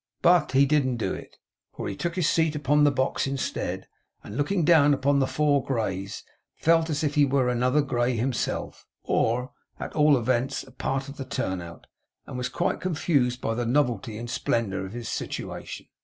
But he didn't do it; for he took his seat upon the box instead, and looking down upon the four greys, felt as if he were another grey himself, or, at all events, a part of the turn out; and was quite confused by the novelty and splendour of his situation.